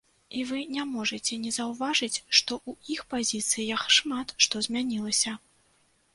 І вы не можаце не заўважыць, што ў іх пазіцыях шмат што змянілася.